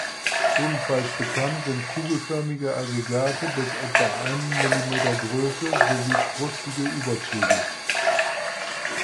Ebenfalls bekannt sind kugelförmige Aggregate bis etwa einen Millimeter Größe sowie krustige Überzüge.